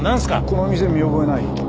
この店見覚えない？あっ。